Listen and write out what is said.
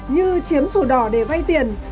như chiếm sổ đỏ để vay tiền